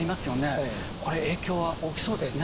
これ影響は大きそうですね。